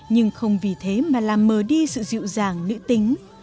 nhưng không vì thế mà làm mờ đi sự dịu dàng nữ tính